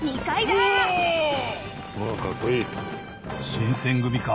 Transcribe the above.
新選組か！